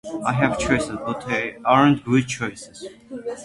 I have choices, but they aren't good choices!